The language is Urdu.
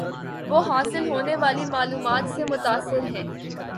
وہ حاصل ہونے والی معلومات سے متاثر ہیں